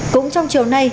cũng trong chiều nay